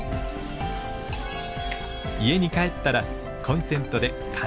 家に帰ったらコンセントで簡単に充電。